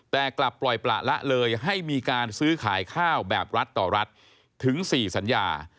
แต่กลับปล่อยประละเลยให้มีการซื้อขายข้าวแบบรัฐต่อรัฐถึง๔สัญญา